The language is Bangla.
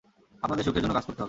আপনাদের সুখের জন্য কাজ করতে হবে।